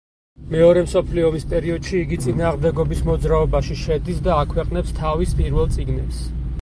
მეორე მსოფლიო ომის პერიოდში იგი წინააღმდეგობის მოძრაობაში შედის და აქვეყნებს თავის პირველ წიგნებს.